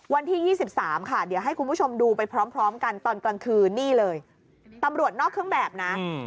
วันที่๒๓ค่ะเดี๋ยวให้คุณผู้ชมดูไปพร้อมกันตอนกลางคืนนี่เลยตำรวจนอกเครื่องแบบนะ